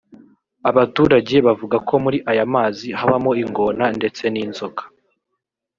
Abaturage bavuga ko muri aya mazi habamo ingona ndetse n’inzoka